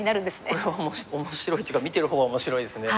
これは面白いというか見てる方は面白いですね。